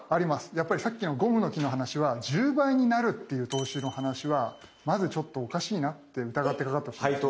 やっぱりさっきのゴムの木の話は１０倍になるっていう投資の話はまずちょっとおかしいなって疑ってかかってほしかったですね。